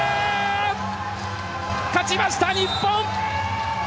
勝ちました、日本。